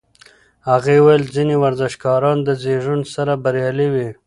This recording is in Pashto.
هغې وویل ځینې ورزشکاران د زېږون سره بریالي وي.